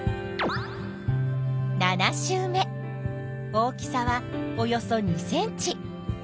大きさはおよそ２ｃｍ。